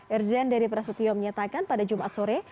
irjen dede prasetyo menyatakan pada jumat sore